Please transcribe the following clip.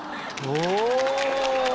お。